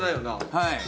はい。